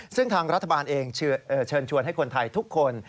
ซึ่งทางรัฐบาลเองเชิญชวนให้คนไทยทุกคน